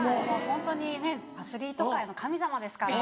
ホントにねアスリート界の神様ですから。